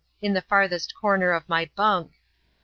[chap. j. the farthest corner of my bunk.